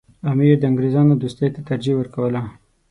امیر د انګریزانو دوستۍ ته ترجیح ورکوله.